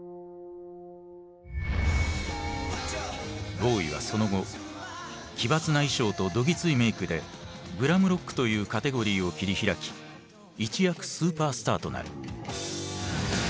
ボウイはその後奇抜な衣装とどぎついメークでグラムロックというカテゴリーを切り開き一躍スーパースターとなる。